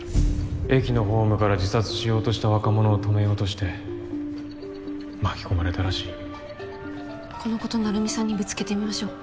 駅のホームから自殺しようとした若者を止めようとして巻き込まれたらしいこのこと成海さんにぶつけてみましょう。